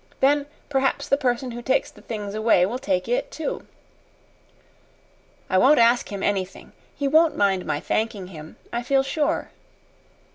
Then perhaps the person who takes the things away will take it, too. I won't ask him anything. He won't mind my thanking him, I feel sure."